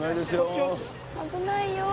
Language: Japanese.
危ないよ。